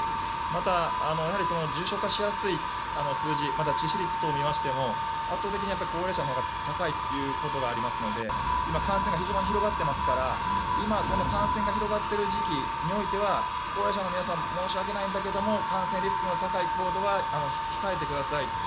また、重症化しやすい数字致死率等を見ましても圧倒的に高齢者のほうが高いということがありますので今、感染が非常に広がっていますから今、この感染が広がっている時期においては高齢者の皆さんは申し訳ないんだけども感染リスクの高い行動は控えてください。